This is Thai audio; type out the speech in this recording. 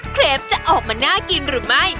เครปจะออกมาน่ากินหรือไม่